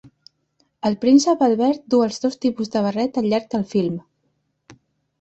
El príncep Albert du els dos tipus de barret al llarg del film.